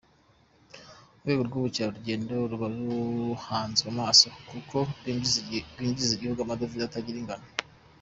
Urwego rw’Ubukerarugendo ruba ruhanzwe amaso, kuko rwinjiriza igihugu amadovize atagira ingano.